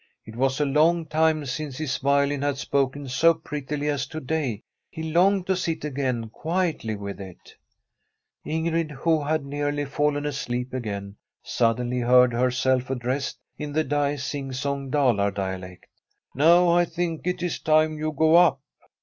It was a long time since his violin had spoken so prettily as to day, he longed to sit again quietly with it. Frm a SWEDISH HOMESTEAD Ingrid, who had nearly fallen asleep again, sud denly heard herself addressed in the sing song Dalar dialect :' Now, I think it is time you got up.'